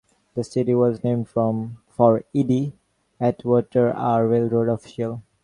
The city was named for E. D. Atwater, a railroad official.